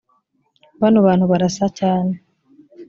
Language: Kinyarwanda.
bano bantu barasa cyane